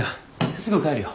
すぐ帰るよ。